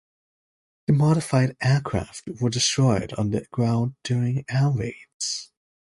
The modified aircraft were destroyed on the ground during air raids.